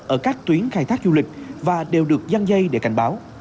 ở các tuyến khai thác du lịch và đều được dân dây để cảnh báo